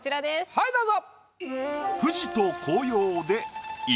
はいどうぞ！